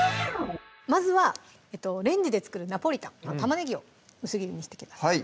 まずはレンジで作るナポリタン玉ねぎを薄切りにしてください